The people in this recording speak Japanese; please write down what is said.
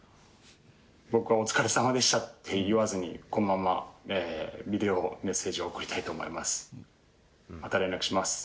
僕はお疲れさまでしたって言わずに、このまんまビデオメッセージを送りたいと思います。